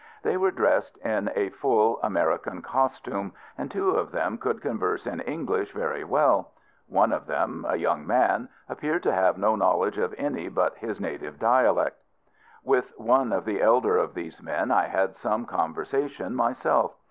They were dressed in a full American costume, and two of them could converse in English very well. One of them a young man appeared to have no knowledge of any but his native dialect. With one of the elder of these men I had some conversation myself.